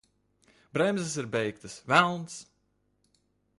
Bremzes ir beigtas! Velns!